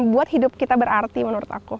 buat hidup kita berarti menurut aku